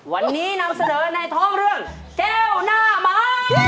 วันนี้นำเสนอในท้องเรื่องแก้วหน้าม้า